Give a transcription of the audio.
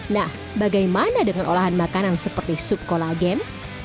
nah bagaimana dengan olahan makanan seperti sup kolagen